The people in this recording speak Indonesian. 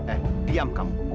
eh diam kamu